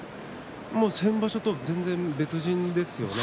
先場所とは全然、別人ですよね。